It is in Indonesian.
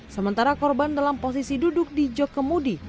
sementara korban dalam posisi duduk di jok kemudi